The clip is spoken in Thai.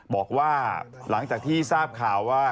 บอกว่าหลังจากที่ทราบข่าวว่า